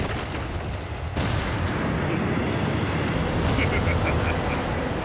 フハハハハハ！